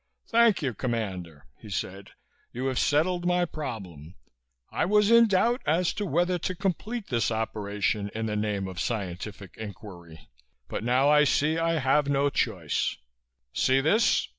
"Thank you, Commander," he said. "You have settled my problem. I was in doubt as to whether to complete this operation in the name of scientific inquiry, but now I see I have no choice. See this!"